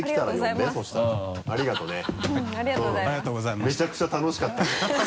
めちゃくちゃ楽しかったよ。